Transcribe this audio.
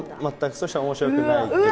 そしたら面白くないって感じ。